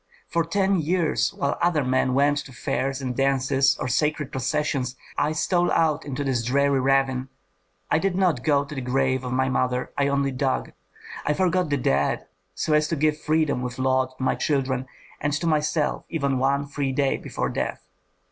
For ten years, while other men went to fairs and dances or sacred processions, I stole out into this dreary ravine. I did not go to the grave of my mother, I only dug; I forgot the dead so as to give freedom with laud to my children, and to myself even one free day before death.